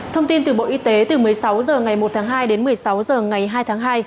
thông tin từ bộ y tế từ một mươi sáu h ngày một tháng hai đến một mươi sáu h ngày hai tháng hai